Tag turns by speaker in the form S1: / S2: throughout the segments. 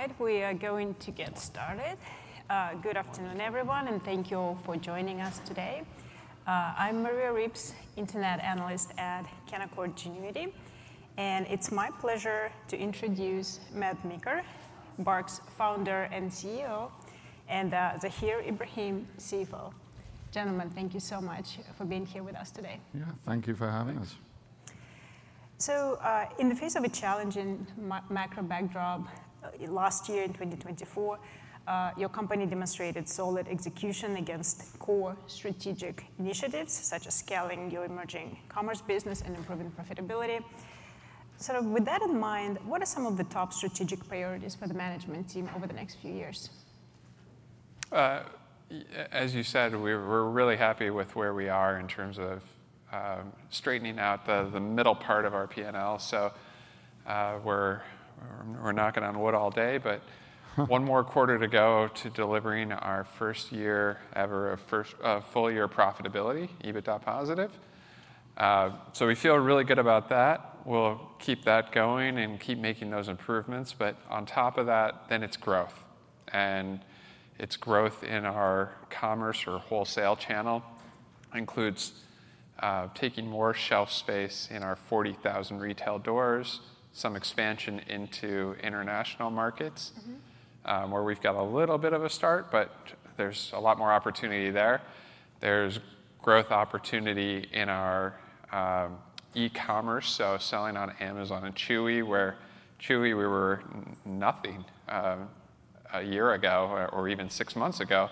S1: All right, we are going to get started. Good afternoon, everyone, and thank you all for joining us today. I'm Maria Ripps, Internet Analyst at Canaccord Genuity. And it's my pleasure to introduce Matt Meeker, BARK's founder and CEO, and Zahir Ibrahim, CFO. Gentlemen, thank you so much for being here with us today.
S2: Thank you for having us.
S1: So, in the face of a challenging macro backdrop last year in 2024, your company demonstrated solid execution against core strategic initiatives, such as scaling your emerging commerce business and improving profitability. So, with that in mind, what are some of the top strategic priorities for the management team over the next few years?
S2: As you said, we're really happy with where we are in terms of straightening out the middle part of our P&L. So, we're knocking on wood all day, but one more quarter to go to delivering our first year ever of full-year profitability, EBITDA positive. So, we feel really good about that. We'll keep that going and keep making those improvements. But on top of that, then it's growth. And it's growth in our commerce or wholesale channel. It includes taking more shelf space in our 40,000 retail doors, some expansion into international markets, where we've got a little bit of a start, but there's a lot more opportunity there. There's growth opportunity in our e-commerce, so selling on Amazon and Chewy, where Chewy we were nothing a year ago or even six months ago.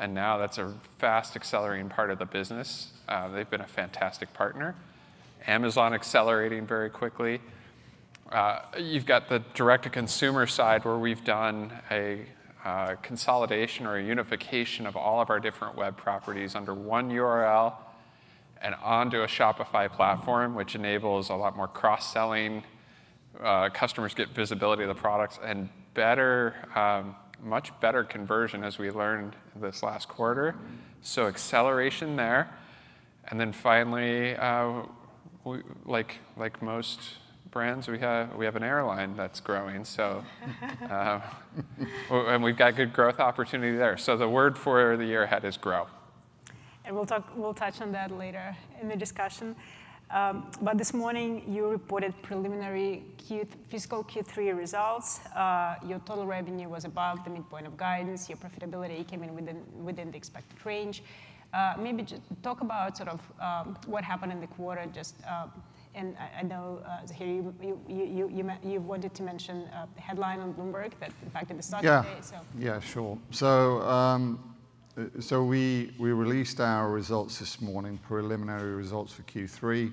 S2: And now that's a fast accelerating part of the business. They've been a fantastic partner. Amazon accelerating very quickly. You've got the direct-to-consumer side, where we've done a consolidation or a unification of all of our different web properties under one URL and onto a Shopify platform, which enables a lot more cross-selling. Customers get visibility of the products and much better conversion, as we learned this last quarter. So, acceleration there. And then finally, like most brands, we have an airline that's growing. And we've got good growth opportunity there. So, the word for the year ahead is grow.
S1: We'll touch on that later in the discussion. This morning, you reported preliminary fiscal Q3 results. Your total revenue was above the midpoint of guidance. Your profitability came in within the expected range. Maybe talk about sort of what happened in the quarter. I know, Zahir, you wanted to mention the headline on Bloomberg that impacted the stock today.
S2: Sure. So, we released our results this morning, preliminary results for Q3.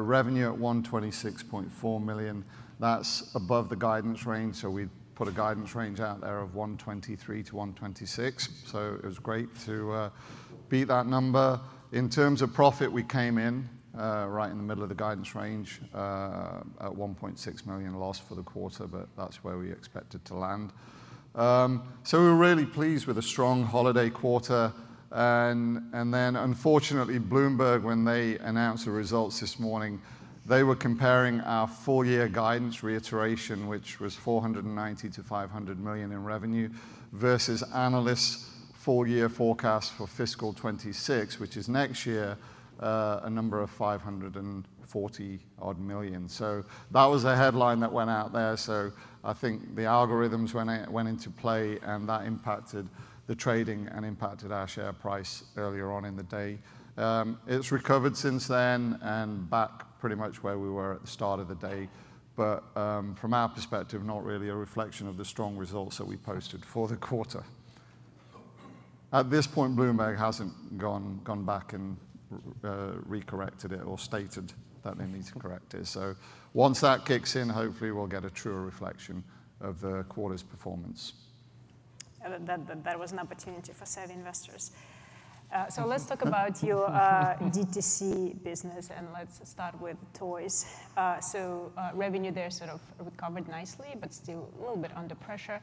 S2: Revenue at $126.4 million. That's above the guidance range, so we put a guidance range out there of $123-$126. It was great to beat that number. In terms of profit, we came in right in the middle of the guidance range at $1.6 million loss for the quarter, but that's where we expected to land, so we're really pleased with a strong holiday quarter, and then, unfortunately, Bloomberg, when they announced the results this morning, they were comparing our full-year guidance reiteration, which was $490-$500 million in revenue, versus analysts' full-year forecast for FY 2026, which is next year, a number of $540 million, so that was a headline that went out there. So, I think the algorithms went into play, and that impacted the trading and impacted our share price earlier on in the day. It's recovered since then and back pretty much where we were at the start of the day. But from our perspective, not really a reflection of the strong results that we posted for the quarter. At this point, Bloomberg hasn't gone back and recorrected it or stated that they need to correct it. So, once that kicks in, hopefully, we'll get a truer reflection of the quarter's performance.
S1: That was an opportunity for savvy investors, so let's talk about your DTC business, and let's start with toys, so revenue there sort of recovered nicely, but still a little bit under pressure.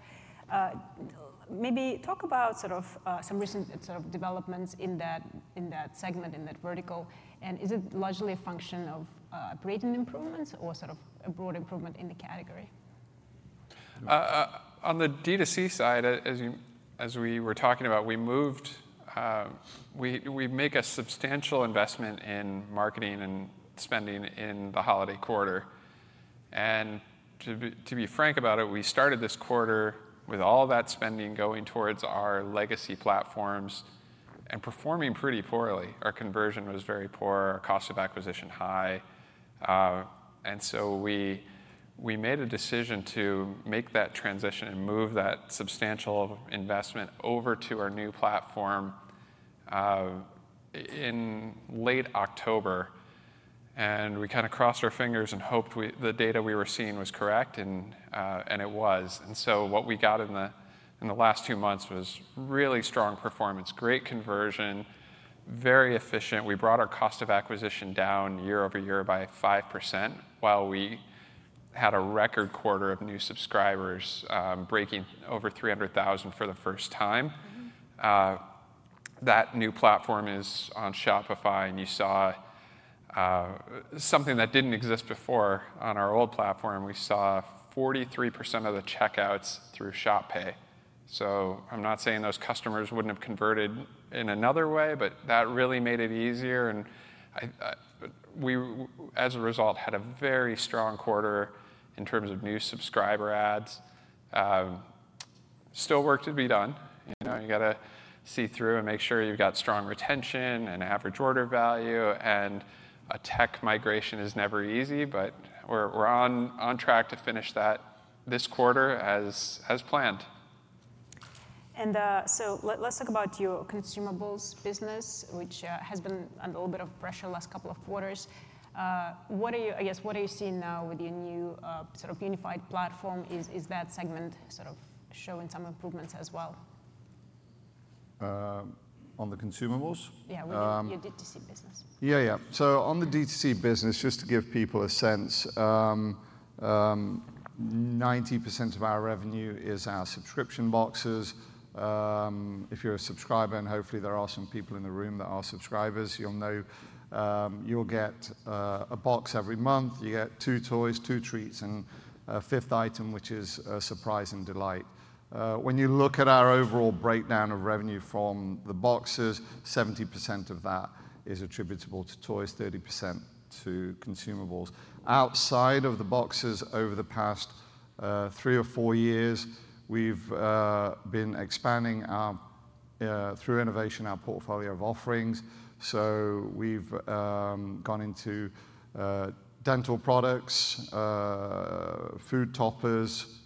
S1: Maybe talk about sort of some recent developments in that segment, in that vertical, and is it largely a function of operating improvements or sort of a broad improvement in the category?
S2: On the DTC side, as we were talking about, we make a substantial investment in marketing and spending in the holiday quarter, and to be frank about it, we started this quarter with all that spending going towards our legacy platforms and performing pretty poorly. Our conversion was very poor. Our cost of acquisition was high, and so we made a decision to make that transition and move that substantial investment over to our new platform in late October, and we kind of crossed our fingers and hoped the data we were seeing was correct, and it was, and so what we got in the last two months was really strong performance, great conversion, very efficient. We brought our cost of acquisition down year over year by 5%, while we had a record quarter of new subscribers breaking over 300,000 for the first time. That new platform is on Shopify, and you saw something that didn't exist before on our old platform. We saw 43% of the checkouts through Shop Pay. So, I'm not saying those customers wouldn't have converted in another way, but that really made it easier, and we, as a result, had a very strong quarter in terms of new subscriber adds. Still work to be done. You got to see through and make sure you've got strong retention and average order value, and a tech migration is never easy, but we're on track to finish that this quarter as planned.
S1: And so, let's talk about your consumables business, which has been under a little bit of pressure the last couple of quarters. I guess, what are you seeing now with your new sort of unified platform? Is that segment sort of showing some improvements as well?
S2: On the consumables?
S1: With your DTC business.
S2: So, on the DTC business, just to give people a sense, 90% of our revenue is our subscription boxes. If you're a subscriber, and hopefully, there are some people in the room that are subscribers, you'll know you'll get a box every month. You get two toys, two treats, and a fifth item, which is a surprise and delight. When you look at our overall breakdown of revenue from the boxes, 70% of that is attributable to toys, 30% to consumables. Outside of the boxes, over the past three or four years, we've been expanding through innovation our portfolio of offerings. So, we've gone into dental products, food toppers,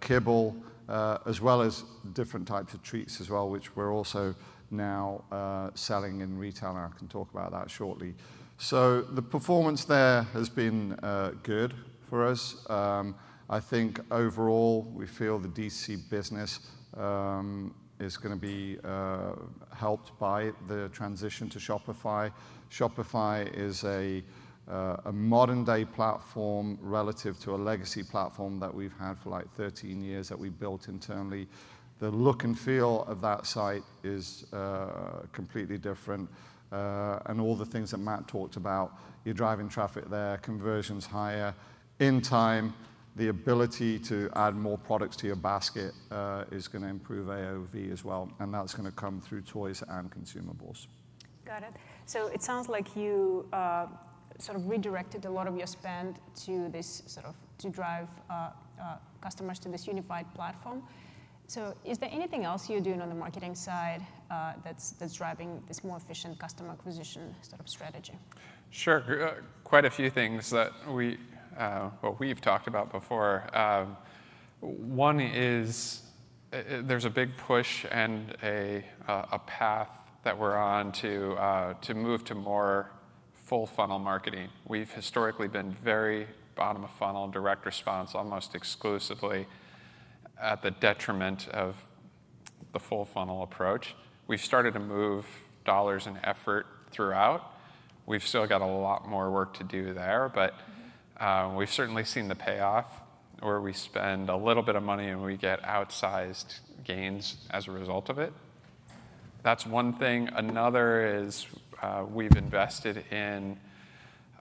S2: kibble, as well as different types of treats as well, which we're also now selling in retail. And I can talk about that shortly. So, the performance there has been good for us. I think overall, we feel the DTC business is going to be helped by the transition to Shopify. Shopify is a modern-day platform relative to a legacy platform that we've had for like 13 years that we built internally. The look and feel of that site is completely different, and all the things that Matt talked about, you're driving traffic there, conversions higher. In time, the ability to add more products to your basket is going to improve AOV as well, and that's going to come through toys and consumables.
S1: Got it. So, it sounds like you sort of redirected a lot of your spend to drive customers to this unified platform. So, is there anything else you're doing on the marketing side that's driving this more efficient customer acquisition sort of strategy?
S2: Sure. Quite a few things that we've talked about before. One is there's a big push and a path that we're on to move to more full-funnel marketing. We've historically been very bottom-of-funnel direct response, almost exclusively, at the detriment of the full-funnel approach. We've started to move dollars and effort throughout. We've still got a lot more work to do there, but we've certainly seen the payoff, where we spend a little bit of money and we get outsized gains as a result of it. That's one thing. Another is we've invested in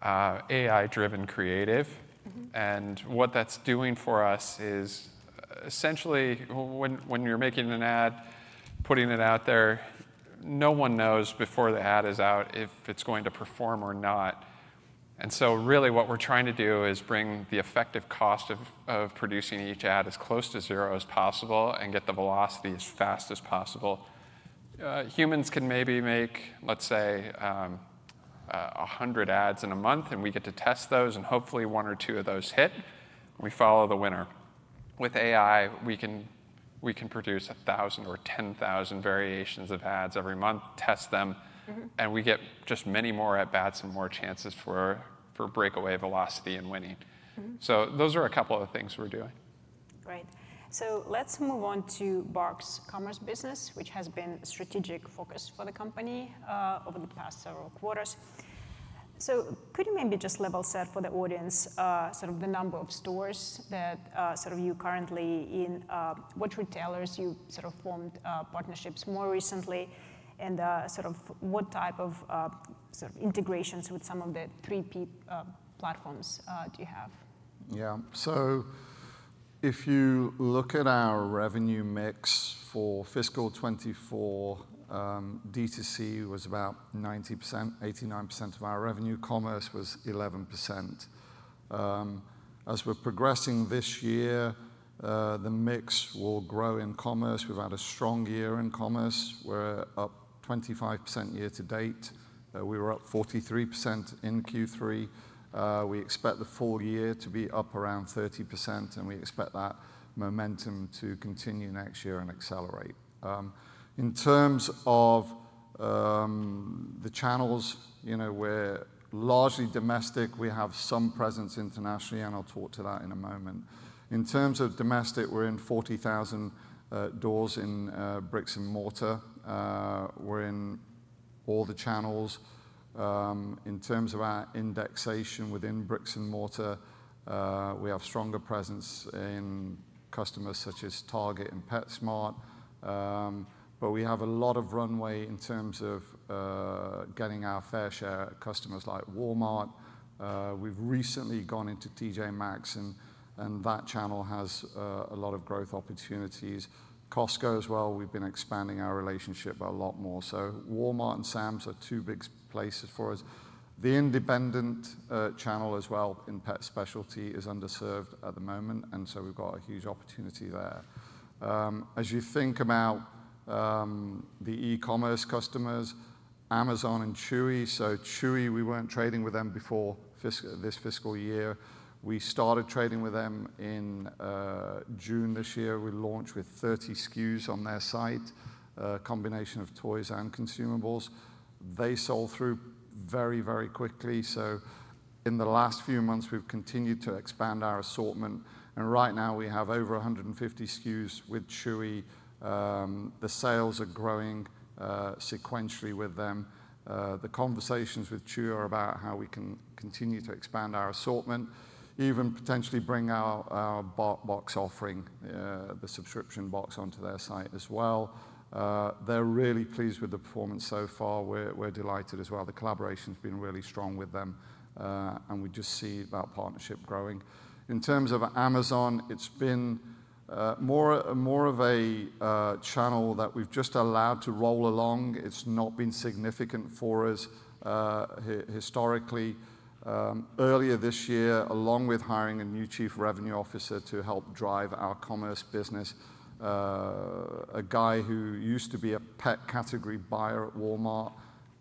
S2: AI-driven creative. And what that's doing for us is essentially, when you're making an ad, putting it out there, no one knows before the ad is out if it's going to perform or not. And so, really, what we're trying to do is bring the effective cost of producing each ad as close to zero as possible and get the velocity as fast as possible. Humans can maybe make, let's say, 100 ads in a month, and we get to test those, and hopefully, one or two of those hit. We follow the winner. With AI, we can produce 1,000 or 10,000 variations of ads every month, test them, and we get just many more at-bats and more chances for breakaway velocity and winning. So, those are a couple of things we're doing.
S1: Right. So, let's move on to BARK's commerce business, which has been a strategic focus for the company over the past several quarters. So, could you maybe just level set for the audience sort of the number of stores that you currently in, what retailers you sort of formed partnerships more recently, and sort of what type of integrations with some of the 3P platforms do you have?
S2: So, if you look at our revenue mix for FY 2024, DTC was about 90%, 89% of our revenue. Commerce was 11%. As we're progressing this year, the mix will grow in commerce. We've had a strong year in commerce. We're up 25% year to date. We were up 43% in Q3. We expect the full year to be up around 30%, and we expect that momentum to continue next year and accelerate. In terms of the channels, we're largely domestic. We have some presence internationally, and I'll talk to that in a moment. In terms of domestic, we're in 40,000 doors in bricks and mortar. We're in all the channels. In terms of our indexation within bricks and mortar, we have stronger presence in customers such as Target and PetSmart. But we have a lot of runway in terms of getting our fair share of customers like Walmart. We've recently gone into TJ Maxx, and that channel has a lot of growth opportunities. Costco as well. We've been expanding our relationship a lot more. So, Walmart and Sam's are two big places for us. The independent channel as well in pet specialty is underserved at the moment, and so we've got a huge opportunity there. As you think about the e-commerce customers, Amazon and Chewy. So, Chewy, we weren't trading with them before this FY. We started trading with them in June this year. We launched with 30 SKUs on their site, a combination of toys and consumables. They sold through very, very quickly. So, in the last few months, we've continued to expand our assortment. And right now, we have over 150 SKU's with Chewy. The sales are growing sequentially with them. The conversations with Chewy are about how we can continue to expand our assortment, even potentially bring our BarkBox offering, the subscription box, onto their site as well. They're really pleased with the performance so far. We're delighted as well. The collaboration has been really strong with them, and we just see that partnership growing. In terms of Amazon, it's been more of a channel that we've just allowed to roll along. It's not been significant for us historically. Earlier this year, along with hiring a new chief revenue officer to help drive our commerce business, a guy who used to be a pet category buyer at Walmart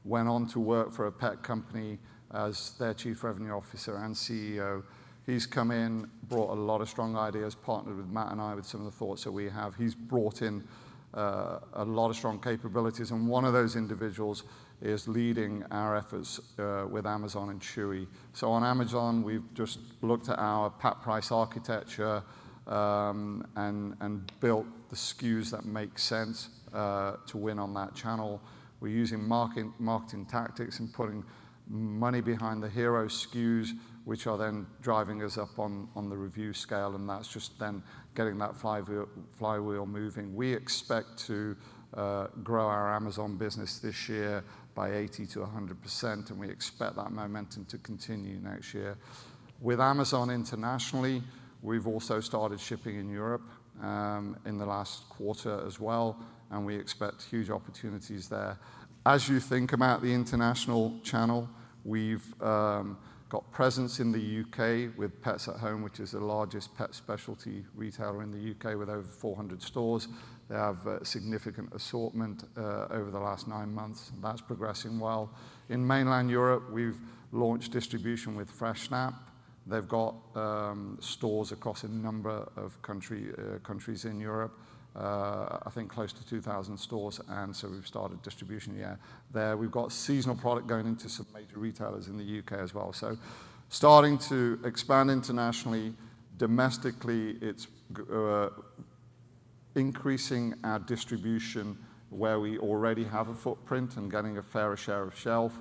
S2: went on to work for a pet company as their chief revenue officer and CEO. He's come in, brought a lot of strong ideas, partnered with Matt and I with some of the thoughts that we have. He's brought in a lot of strong capabilities, and one of those individuals is leading our efforts with Amazon and Chewy, so on Amazon, we've just looked at our pet price architecture and built the SKUs that make sense to win on that channel. We're using marketing tactics and putting money behind the hero SKUs, which are then driving us up on the review scale, and that's just then getting that flywheel moving. We expect to grow our Amazon business this year by 80%-100%, and we expect that momentum to continue next year. With Amazon internationally, we've also started shipping in Europe in the last quarter as well, and we expect huge opportunities there. As you think about the international channel, we've got presence in the U.K. with Pets at Home, which is the largest pet specialty retailer in the U.K. with over 400 stores. They have a significant assortment over the last nine months, and that's progressing well. In mainland Europe, we've launched distribution with Fressnapf. They've got stores across a number of countries in Europe, I think close to 2,000 stores, and so we've started distribution there. We've got seasonal product going into some major retailers in the UK as well, so starting to expand internationally. Domestically, it's increasing our distribution where we already have a footprint and getting a fair share of shelf,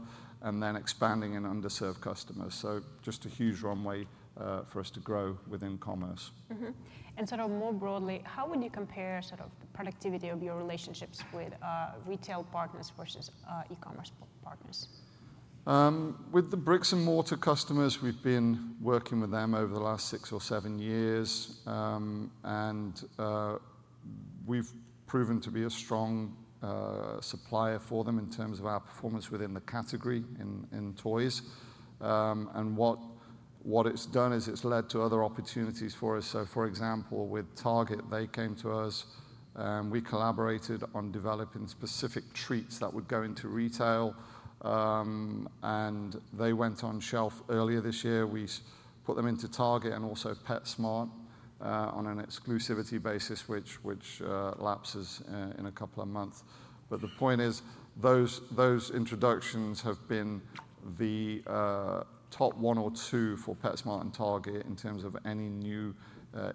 S2: and then expanding in underserved customers, so just a huge runway for us to grow within commerce.
S1: Sort of more broadly, how would you compare sort of the productivity of your relationships with retail partners versus e-commerce partners?
S2: With the bricks and mortar customers, we've been working with them over the last six or seven years. And we've proven to be a strong supplier for them in terms of our performance within the category in toys. And what it's done is it's led to other opportunities for us. So, for example, with Target, they came to us, and we collaborated on developing specific treats that would go into retail. And they went on shelf earlier this year. We put them into Target and also PetSmart on an exclusivity basis, which lapses in a couple of months. But the point is those introductions have been the top one or two for PetSmart and Target in terms of any new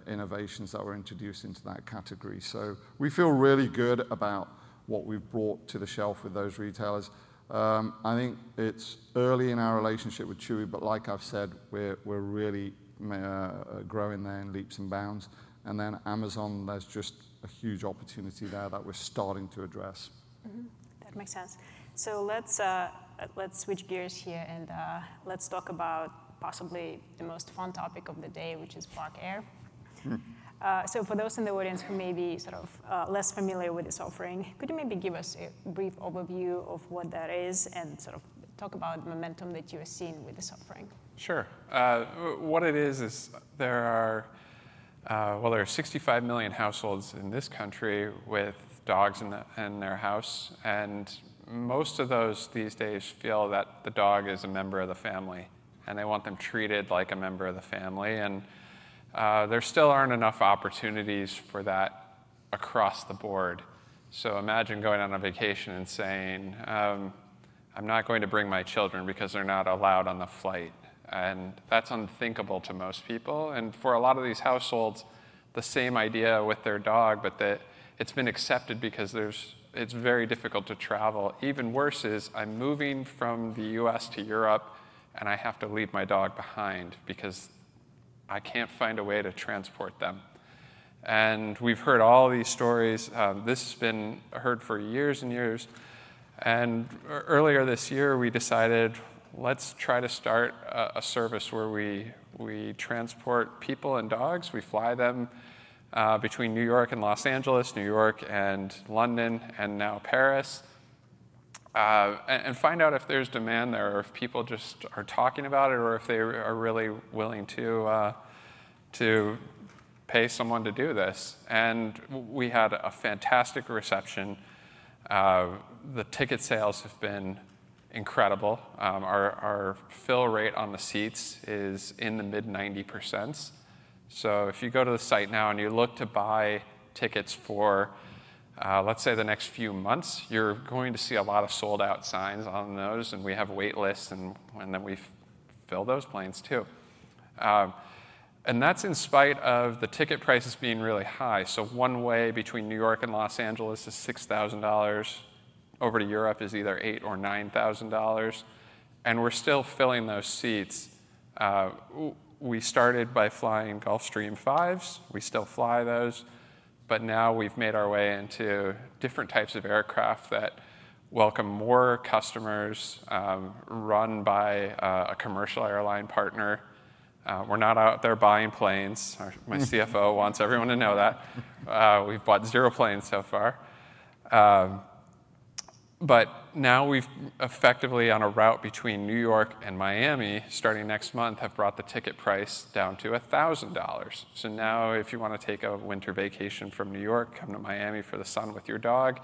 S2: innovations that were introduced into that category. So, we feel really good about what we've brought to the shelf with those retailers. I think it's early in our relationship with Chewy, but like I've said, we're really growing there in leaps and bounds, and then Amazon, there's just a huge opportunity there that we're starting to address.
S1: That makes sense. So, let's switch gears here and let's talk about possibly the most fun topic of the day, which is BARK Air. So, for those in the audience who may be sort of less familiar with this offering, could you maybe give us a brief overview of what that is and sort of talk about the momentum that you're seeing with this offering?
S2: Sure. What it is is there are 65 million households in this country with dogs in their house, and most of those these days feel that the dog is a member of the family, and they want them treated like a member of the family, and there still aren't enough opportunities for that across the board, so imagine going on a vacation and saying, "I'm not going to bring my children because they're not allowed on the flight," and that's unthinkable to most people, and for a lot of these households, the same idea with their dog, but it's been accepted because it's very difficult to travel. Even worse is I'm moving from the U.S. to Europe, and I have to leave my dog behind because I can't find a way to transport them, and we've heard all these stories. This has been heard for years and years. Earlier this year, we decided, "Let's try to start a service where we transport people and dogs. We fly them between New York and Los Angeles, New York and London, and now Paris, and find out if there's demand there or if people just are talking about it or if they are really willing to pay someone to do this." We had a fantastic reception. The ticket sales have been incredible. Our fill rate on the seats is in the mid-90%. If you go to the site now and you look to buy tickets for, let's say, the next few months, you're going to see a lot of sold-out signs on those, and we have wait lists, and then we fill those planes too. That's in spite of the ticket prices being really high. One way between New York and Los Angeles is $6,000. Over to Europe is either $8,000 or $9,000, and we're still filling those seats. We started by flying Gulfstream Vs. We still fly those, but now we've made our way into different types of aircraft that welcome more customers, run by a commercial airline partner. We're not out there buying planes. My CFO wants everyone to know that. We've bought zero planes so far, but now we've effectively, on a route between New York and Miami starting next month, have brought the ticket price down to $1,000, so now if you want to take a winter vacation from New York, come to Miami for the sun with your dog,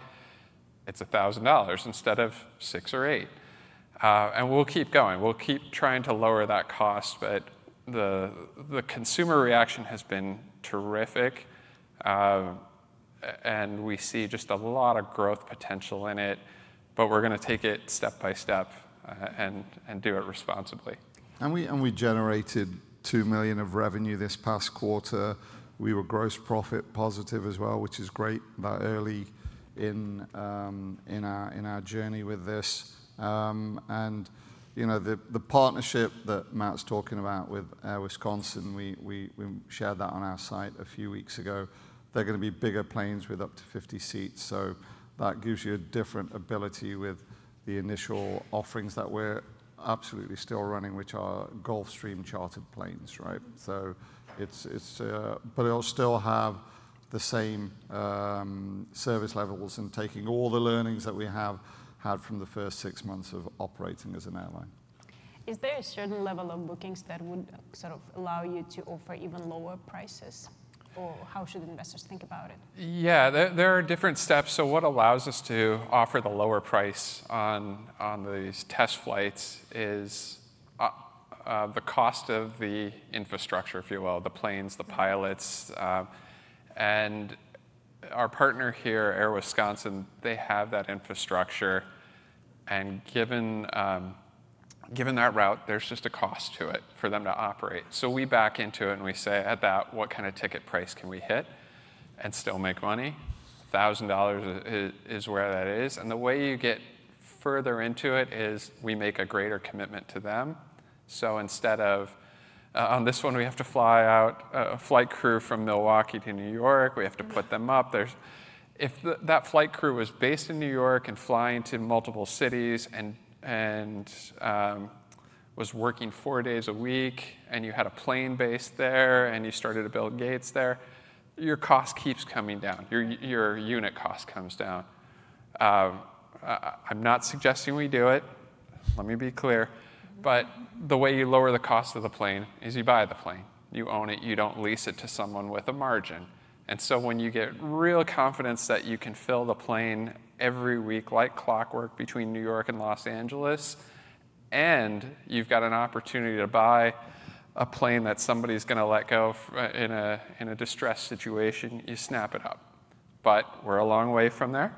S2: it's $1,000 instead of $6,000 or $8,000, and we'll keep going. We'll keep trying to lower that cost, but the consumer reaction has been terrific, and we see just a lot of growth potential in it. But we're going to take it step-by-step and do it responsibly.
S3: We generated $2 million of revenue this past quarter. We were gross profit positive as well, which is great early in our journey with this. The partnership that Matt's talking about with Wisconsin, we shared that on our site a few weeks ago. They're going to be bigger planes with up to 50 seats. That gives you a different ability with the initial offerings that we're absolutely still running, which are Gulfstream chartered planes, right? But it'll still have the same service levels and taking all the learnings that we have had from the first six months of operating as an airline.
S1: Is there a certain level of bookings that would sort of allow you to offer even lower prices, or how should investors think about it?
S2: There are different steps. So, what allows us to offer the lower price on these test flights is the cost of the infrastructure, if you will, the planes, the pilots. And our partner here, Air Wisconsin, they have that infrastructure. And given that route, there's just a cost to it for them to operate. So, we back into it and we say, "At that, what kind of ticket price can we hit and still make money?" $1,000 is where that is. And the way you get further into it is we make a greater commitment to them. So, instead of, "On this one, we have to fly out a flight crew from Milwaukee to New York. We have to put them up." If that flight crew was based in New York and flying to multiple cities and was working four days a week, and you had a plane base there and you started to build gates there, your cost keeps coming down. Your unit cost comes down. I'm not suggesting we do it. Let me be clear. But the way you lower the cost of the plane is you buy the plane. You own it. You don't lease it to someone with a margin. And so, when you get real confidence that you can fill the plane every week like clockwork between New York and Los Angeles, and you've got an opportunity to buy a plane that somebody's going to let go in a distressed situation, you snap it up. But we're a long way from there.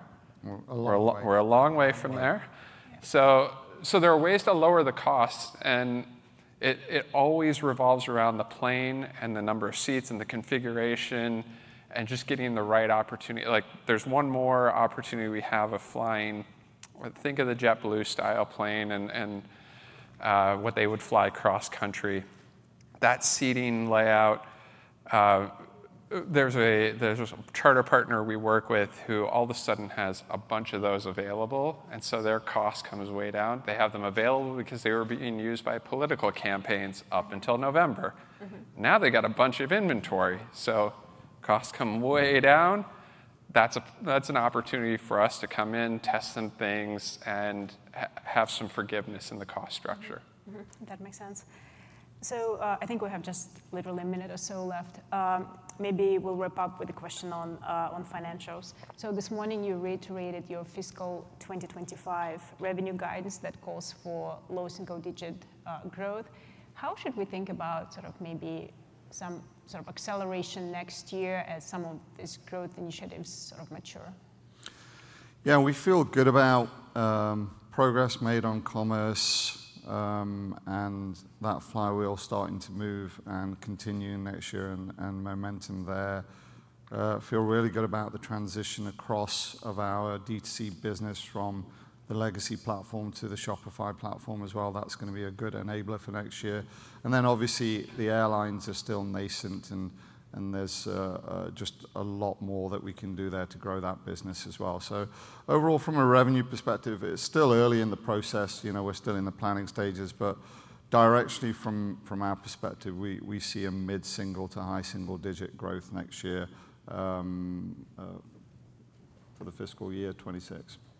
S2: We're a long way from there. So, there are ways to lower the cost, and it always revolves around the plane and the number of seats and the configuration and just getting the right opportunity. There's one more opportunity we have of flying. Think of the JetBlue style plane and what they would fly cross-country. That seating layout, there's a charter partner we work with who all of a sudden has a bunch of those available. And so, their cost comes way down. They have them available because they were being used by political campaigns up until November. Now they've got a bunch of inventory. So, costs come way down. That's an opportunity for us to come in, test some things, and have some forgiveness in the cost structure.
S1: That makes sense. So, I think we have just literally a minute or so left. Maybe we'll wrap up with a question on financials. So, this morning you reiterated your FY 2025 revenue guidance that calls for low single-digit growth. How should we think about sort of maybe some sort of acceleration next year as some of these growth initiatives sort of mature?
S3: We feel good about progress made on commerce and that flywheel starting to move and continue next year and momentum there. Feel really good about the transition across of our DTC business from the legacy platform to the Shopify platform as well. That's going to be a good enabler for next year. And then obviously the airlines are still nascent, and there's just a lot more that we can do there to grow that business as well. So, overall, from a revenue perspective, it's still early in the process. We're still in the planning stages, but directly from our perspective, we see a mid-single to high single-digit growth next year for the FY 2026.